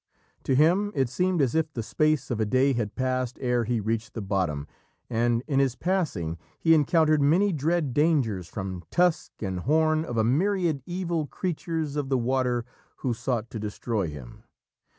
To him it seemed as if the space of a day had passed ere he reached the bottom, and in his passing he encountered many dread dangers from tusk and horn of a myriad evil creatures of the water who sought to destroy him.